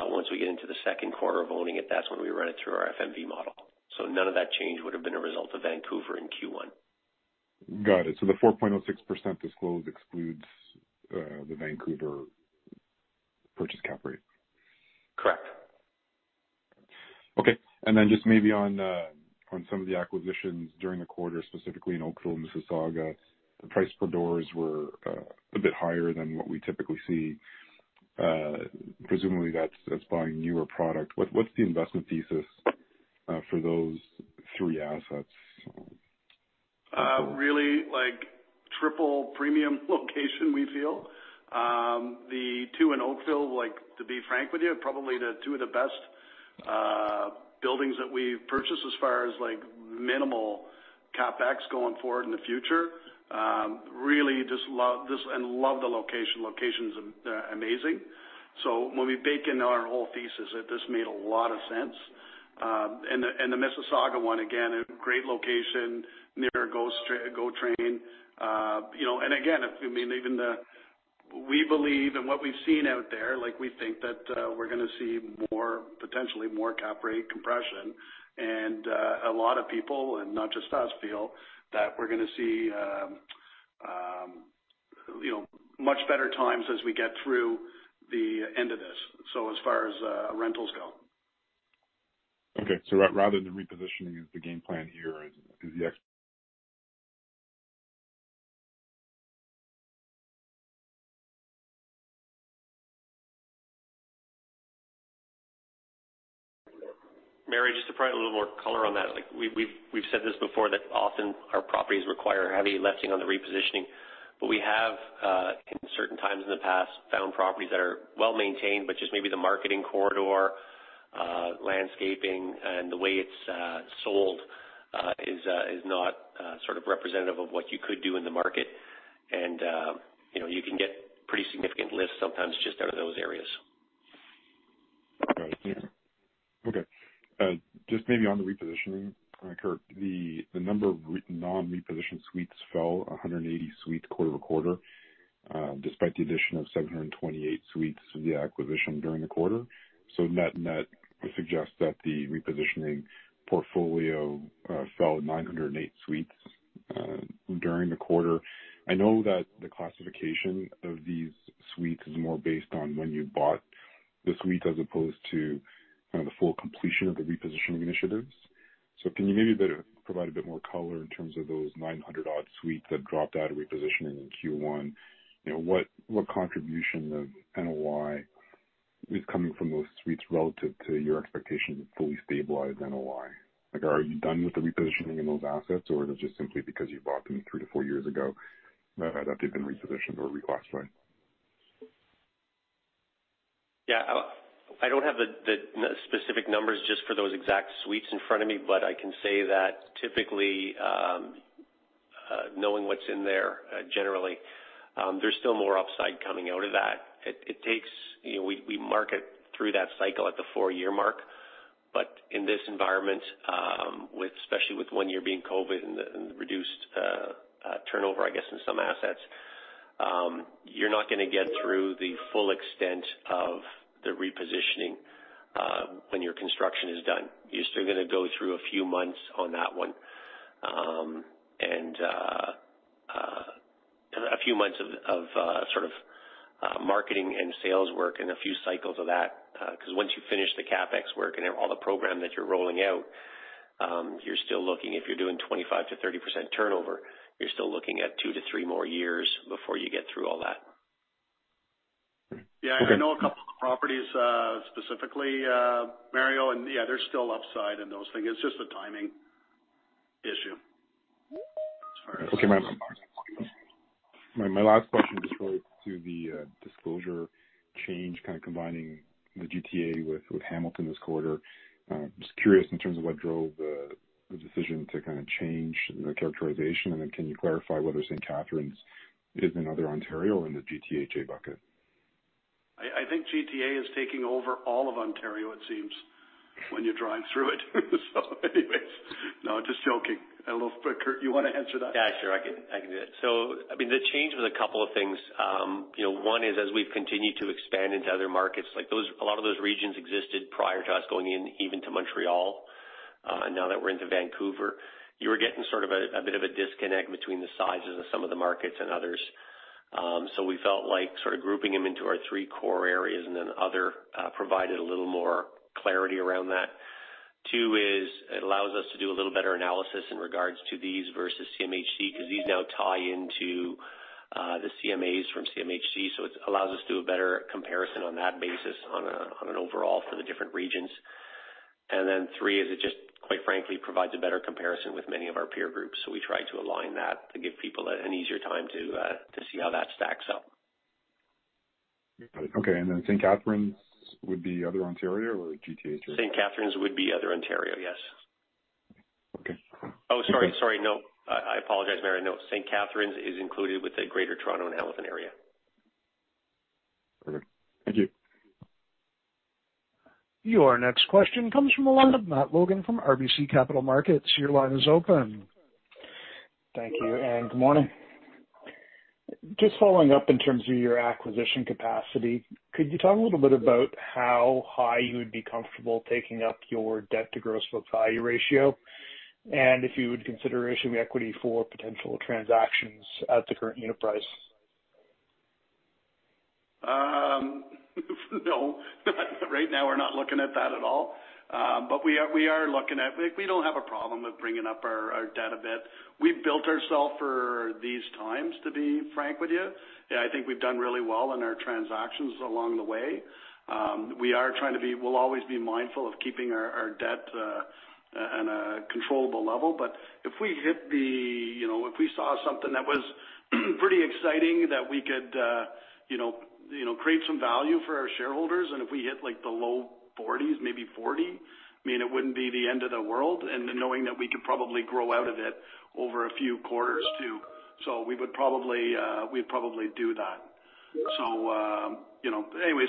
once we get into the second quarter of owning it, that's when we run it through our FMV model. None of that change would've been a result of Vancouver in Q1. Got it. The 4.06% disclose excludes the Vancouver purchase cap rate. Correct. Okay. Just maybe on some of the acquisitions during the quarter, specifically in Oakville and Mississauga, the price per doors were a bit higher than what we typically see. Presumably that's buying newer product. What's the investment thesis for those three assets? Really triple premium location, we feel. The two in Oakville, to be frank with you, probably two of the best buildings that we've purchased as far as minimal CapEx going forward in the future. Really just love the location. Location's amazing. When we bake in our whole thesis, this made a lot of sense. The Mississauga one, again, a great location near GO Train. Again, we believe and what we've seen out there, we think that we're going to see potentially more cap rate compression. A lot of people, and not just us, feel that we're going to see much better times as we get through the end of this. As far as rentals go. Okay. Rather than repositioning, the game plan here is the ex- Mario, just to provide a little more color on that. We've said this before that often our properties require heavy lifting on the repositioning. We have, in certain times in the past, found properties that are well-maintained, but just maybe the marketing corridor, landscaping, and the way it's sold is not sort of representative of what you could do in the market. You can get pretty significant lifts sometimes just out of those areas. Got it. Okay. Just maybe on the repositioning, Curt. The number of non-repositioned suites fell 180 suites quarter-over-quarter, despite the addition of 728 suites from the acquisition during the quarter. Net net would suggest that the repositioning portfolio fell at 908 suites during the quarter. I know that the classification of these suites is more based on when you bought the suite as opposed to kind of the full completion of the repositioning initiatives. Can you maybe provide a bit more color in terms of those 900 odd suites that dropped out of repositioning in Q1? What contribution of NOI is coming from those suites relative to your expectation of fully stabilized NOI? Are you done with the repositioning in those assets, or is it just simply because you bought them three to four years ago that they've been repositioned or reclassed? Yeah. I don't have the specific numbers just for those exact suites in front of me, but I can say that typically, knowing what's in there, generally, there's still more upside coming out of that. We market through that cycle at the four-year mark. In this environment, especially with one year being COVID and the reduced turnover, I guess, in some assets, you're not going to get through the full extent of the repositioning when your construction is done. You're still going to go through a few months on that one. A few months of marketing and sales work and a few cycles of that, because once you finish the CapEx work and all the program that you're rolling out, if you're doing 25%-30% turnover, you're still looking at two to three more years before you get through all that. Yeah. Okay. I know a couple of properties, specifically, Mario, and yeah, there's still upside in those things. It's just a timing issue as far as- Okay. My last question just relates to the disclosure change, combining the GTA with Hamilton this quarter. Just curious in terms of what drove the decision to change the characterization, and then can you clarify whether St. Catharines is in Other Ontario or in the GTA bucket? I think GTA is taking over all of Ontario, it seems, when you're driving through it. Anyways. No, just joking. Hello, Curt, you want to answer that? Yeah, sure. I can do it. The change was a couple of things. One is as we've continued to expand into other markets, a lot of those regions existed prior to us going in, even to Montreal. Now that we're into Vancouver, you were getting a bit of a disconnect between the sizes of some of the markets and others. We felt like grouping them into our three core areas and then Other provided a little more clarity around that. Two is it allows us to do a little better analysis in regards to these versus CMHC, because these now tie into the CMAs from CMHC, so it allows us to do a better comparison on that basis, on an overall for the different regions. Three is it just, quite frankly, provides a better comparison with many of our peer groups, so we try to align that to give people an easier time to see how that stacks up. Got it. Okay, St. Catharines would be Other Ontario or GTA? St. Catharines would be Other Ontario, yes. Okay. Sorry. No. I apologize, Mario. St. Catharines is included with the Greater Toronto and Hamilton area. Okay. Thank you. Your next question comes from the line of Matt Logan from RBC Capital Markets. Your line is open. Thank you. Good morning. Just following up in terms of your acquisition capacity, could you talk a little bit about how high you would be comfortable taking up your debt to gross book value ratio? Would you consider issuing equity for potential transactions at the current unit price? No. Right now we're not looking at that at all. We don't have a problem with bringing up our debt a bit. We've built ourselves for these times, to be frank with you. Yeah, I think we've done really well in our transactions along the way. We'll always be mindful of keeping our debt on a controllable level. If we saw something that was pretty exciting that we could create some value for our shareholders, and if we hit like the low 40s, maybe 40, it wouldn't be the end of the world. Knowing that we could probably grow out of it over a few quarters, too. We would probably do that. Anyways,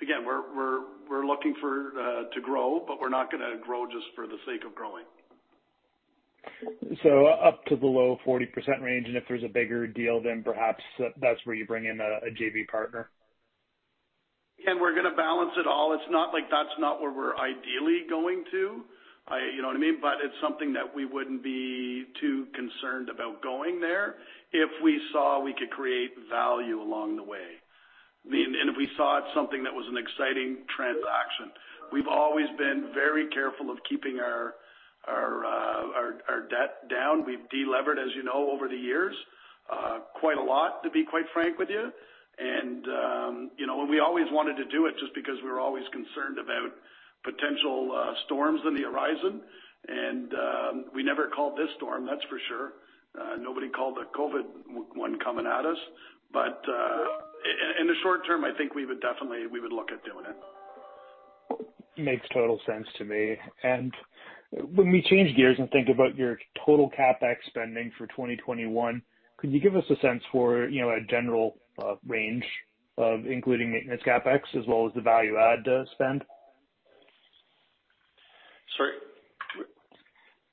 again, we're looking to grow, but we're not going to grow just for the sake of growing. Up to the low 40% range, and if there's a bigger deal, then perhaps that's where you bring in a JV partner? We're going to balance it all. It's not like that's not where we're ideally going to, you know what I mean? It's something that we wouldn't be too concerned about going there if we saw we could create value along the way, if we saw something that was an exciting transaction. We've always been very careful of keeping our debt down. We've de-levered, as you know, over the years, quite a lot, to be quite frank with you. We always wanted to do it just because we were always concerned about potential storms on the horizon, and we never called this storm, that's for sure. Nobody called the COVID one coming at us. In the short term, I think we would definitely look at doing it. Makes total sense to me. When we change gears and think about your total CapEx spending for 2021, could you give us a sense for a general range of including maintenance CapEx as well as the value add spend? Sorry.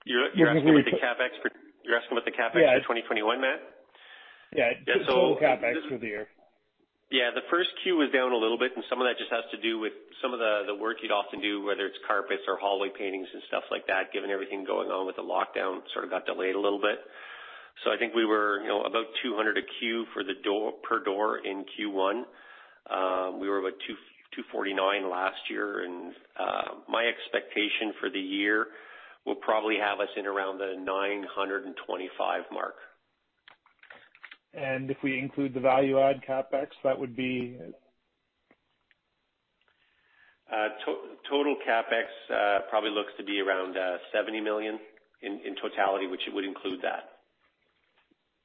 You're asking me the CapEx for 2021, Matt? Yeah. Yeah, so- Total CapEx for the year. Yeah. The first Q was down a little bit, and some of that just has to do with some of the work you'd often do, whether it's carpets or hallway paintings and stuff like that, given everything going on with the lockdown, sort of got delayed a little bit. I think we were about 200 per door in Q1. We were about 249 last year and my expectation for the year will probably have us in around the 925 mark. If we include the value add CapEx, that would be? Total CapEx probably looks to be around 70 million in totality, which would include that.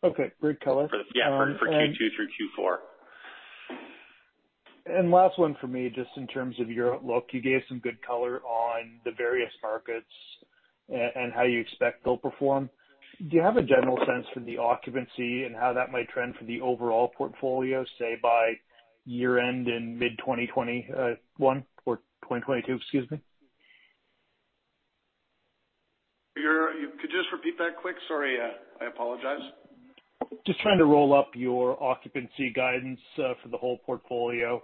Okay. Great color. Yeah, for Q2 through Q4. Last one for me, just in terms of your outlook, you gave some good color on the various markets and how you expect they'll perform. Do you have a general sense for the occupancy and how that might trend for the overall portfolio, say, by year-end in mid-2021 or 2022? Excuse me. Could you just repeat that quick? Sorry, I apologize. Just trying to roll up your occupancy guidance for the whole portfolio.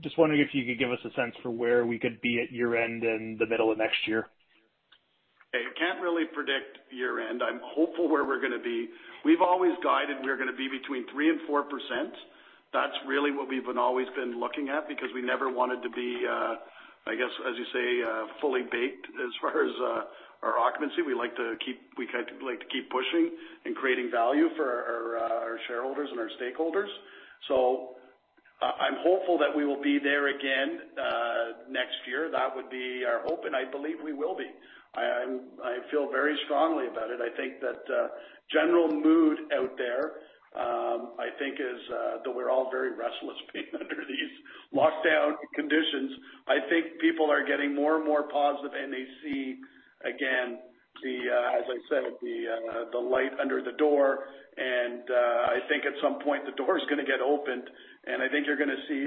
Just wondering if you could give us a sense for where we could be at year-end and the middle of next year? I can't really predict year-end. I'm hopeful where we're going to be. We've always guided we're going to be between 3% and 4%. That's really what we've always been looking at because we never wanted to be, as you say, fully baked as far as our occupancy. We like to keep pushing and creating value for our shareholders and our stakeholders. I'm hopeful that we will be there again next year. That would be our hope, and I believe we will be. I feel very strongly about it. I think that general mood out there, I think, is that we're all very restless being under these lockdown conditions. I think people are getting more and more positive, and they see again, as I said, the light under the door, and I think at some point, the door's going to get opened. I think you're going to see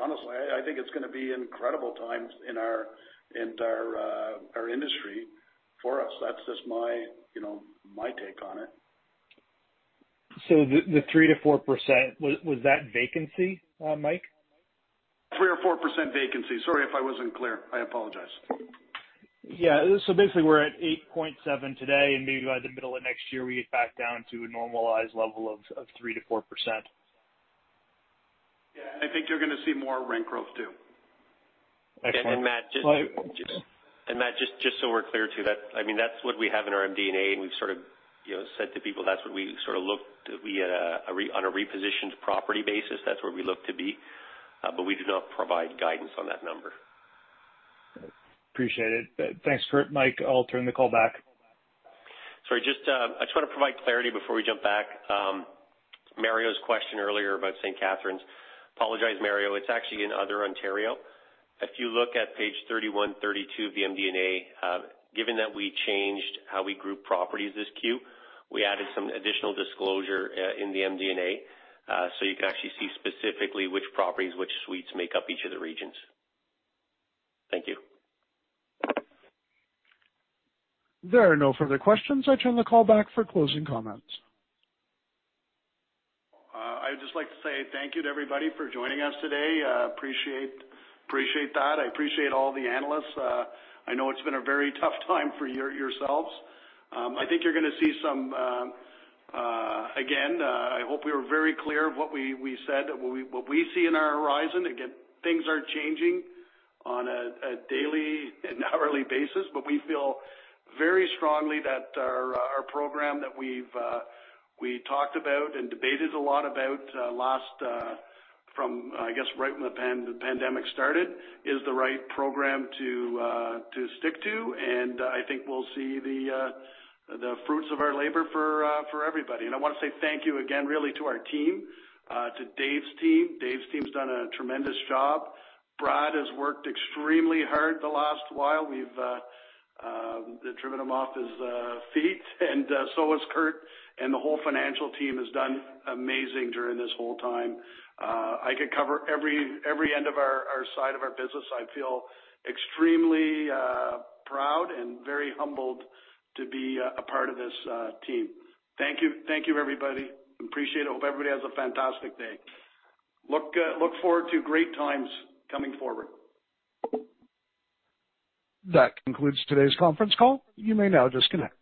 Honestly, I think it's going to be incredible times in our industry. For us, that's just my take on it. The 3%-4%, was that vacancy, Mike? 3% or 4% vacancy. Sorry if I wasn't clear. I apologize. Yeah. Basically, we're at 8.7 today, and maybe by the middle of next year, we get back down to a normalized level of 3%-4%. Yeah. I think you're going to see more rent growth, too. Excellent. Matt, just so we're clear, too, that's what we have in our MD&A, and we've sort of said to people that's what we sort of look on a repositioned property basis, that's where we look to be. We do not provide guidance on that number. Appreciate it. Thanks, Curt, Mike. I'll turn the call back. Sorry. I just want to provide clarity before we jump back. Mario's question earlier about St. Catharines. Apologize, Mario. It's actually in other Ontario. If you look at page 31, 32 of the MD&A, given that we changed how we group properties this Q, we added some additional disclosure in the MD&A. You can actually see specifically which properties, which suites make up each of the regions. Thank you. There are no further questions. I turn the call back for closing comments. I'd just like to say thank you to everybody for joining us today. Appreciate that. I appreciate all the analysts. I know it's been a very tough time for yourselves. Again, I hope we were very clear of what we said, what we see in our horizon. Again, things are changing on a daily and hourly basis, but we feel very strongly that our program that we talked about and debated a lot about from, I guess, right when the pandemic started, is the right program to stick to. I think we'll see the fruits of our labor for everybody. I want to say thank you again, really, to our team, to Dave's team. Dave's team's done a tremendous job. Brad has worked extremely hard the last while. We've driven him off his feet, and so has Curt, and the whole financial team has done amazing during this whole time. I could cover every end of our side of our business. I feel extremely proud and very humbled to be a part of this team. Thank you, everybody. Appreciate it. Hope everybody has a fantastic day. Look forward to great times coming forward. That concludes today's conference call. You may now disconnect.